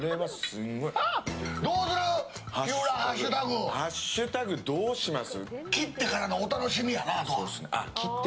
ハッシュタグどうします？